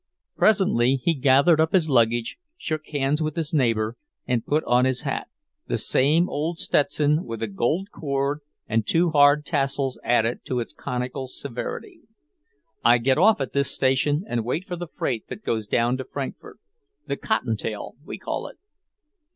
Presently he gathered up his luggage, shook hands with his neighbour, and put on his hat the same old Stetson, with a gold cord and two hard tassels added to its conical severity. "I get off at this station and wait for the freight that goes down to Frankfort; the cotton tail, we call it."